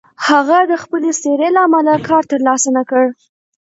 هغه د خپلې څېرې له امله کار تر لاسه نه کړ.